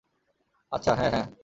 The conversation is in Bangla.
আচ্ছা, হ্যা, হ্যা।